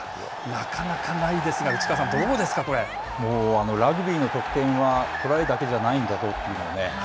なかなかないですが、内川さん、もうラグビーの得点はトライだけじゃないんだぞというのを。